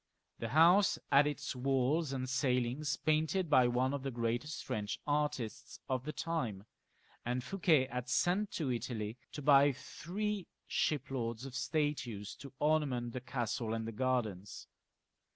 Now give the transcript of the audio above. The house had its walls and ceilings painted by one of the greatest French artists of the time, and Fouquet had sent to Italy to buy three shiploads of statues to ornament the castle and the gardens.